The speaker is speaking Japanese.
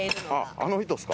あの人っすか？